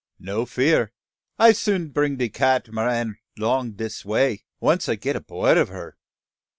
No fear, I soon bring de Cat'maran long dis way, once I get 'board o' her."